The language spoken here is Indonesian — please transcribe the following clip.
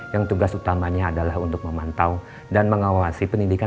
yang tugas utamanya adalah untuk memantau dan mengawasi pendidikan